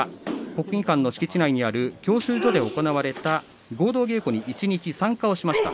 国技館の敷地内にある教習所で行われた合同稽古に一日参加しました。